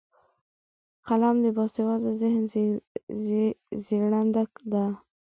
قلم د باسواده ذهن زیږنده ده